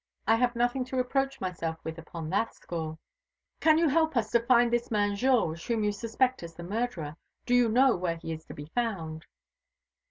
I have nothing to reproach myself with upon that score." "Can you help us to find this man Georges, whom you suspect as the murderer? Do you know where he is to be found?"